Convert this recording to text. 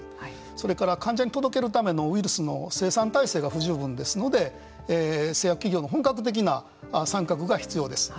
それから患者に届けるためのウイルスの生産体制が不十分ですので製薬企業の本格的な参画が必要です。